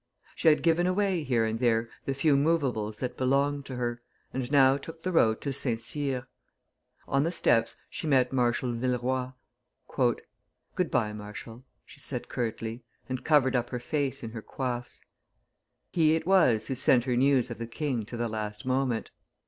She had given away here and there the few movables that belonged to her, and now took the road to St. Cyr. On the steps she met Marshal Villeroy. "Good by, marshal," she said curtly, and covered up her face in her coifs. He! it was who sent her news of the king to the last moment.